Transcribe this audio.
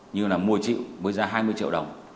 như là một mươi triệu với giá hai mươi triệu đồng